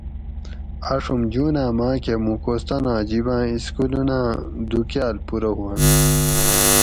آڛُوم جوناۤں ماۤ کہ مُوں کوستانا جِباں اِسکولوناں دو کاۤل پورہ ہُوانت